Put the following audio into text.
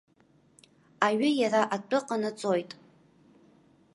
Аҩы иара атәы ҟанаҵоит.